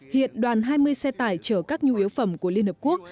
hiện đoàn hai mươi xe tải chở các nhu yếu phẩm của liên hợp quốc